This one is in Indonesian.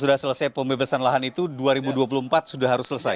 sudah selesai pembebasan lahan itu dua ribu dua puluh empat sudah harus selesai